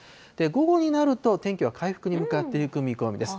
午後になると、天気は回復に向かっていく見込みです。